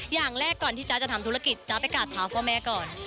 อย่างแรกก่อนที่จ๊ะจะทำธุรกิจจ๊ะไปกราบเท้าพ่อแม่ก่อน